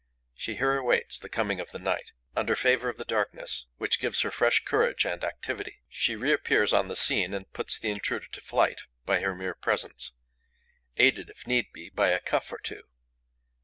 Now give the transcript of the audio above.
She here awaits the coming of the night. Under favour of the darkness, which gives her fresh courage and activity, she reappears upon the scene and puts the intruder to flight by her mere presence, aided, if need be, by a cuff or two.